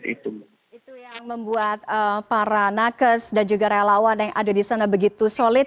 itu yang membuat para nakes dan juga relawan yang ada di sana begitu solid